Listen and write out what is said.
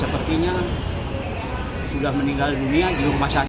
tapi kalau tidak bisa meninggal dunia itu rumah sakit